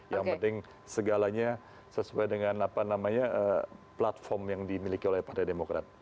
yang penting segalanya sesuai dengan platform yang dimiliki oleh partai demokrat